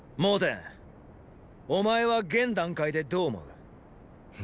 蒙恬お前は現段階でどう思う？？